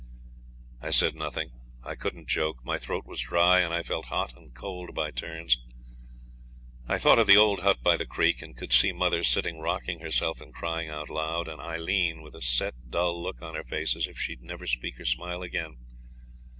I said nothing. I couldn't joke. My throat was dry, and I felt hot and cold by turns. I thought of the old hut by the creek, and could see mother sitting rocking herself, and crying out loud, and Aileen with a set dull look on her face as if she'd never speak or smile again.